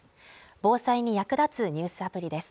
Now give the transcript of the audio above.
防災に役立つニュースアプリです。